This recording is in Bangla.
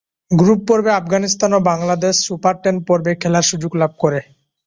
গ্রুপ পর্বে আফগানিস্তান ও বাংলাদেশ সুপার টেন পর্বে খেলার সুযোগ লাভ করে।